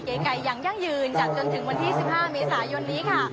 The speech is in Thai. ไก่อย่างยั่งยืนจัดจนถึงวันที่๑๕เมษายนนี้ค่ะ